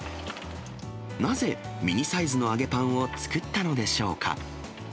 なぜミニサイズの揚げパンを作ったのでしょうか。